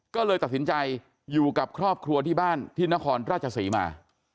ก็เลยตัดสินใจอยู่กับครอบครัวที่บ้านที่นครราชศรีมา